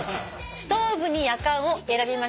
「ストーブにやかん」を選びました